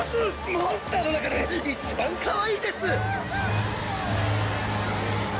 モンスターのなかでいちばんかわいいです！